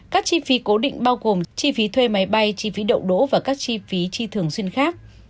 các chi phí cố định bao gồm chi phí thuê máy bay chi phí đậu đỗ và các chi phí chi thường xuyên khác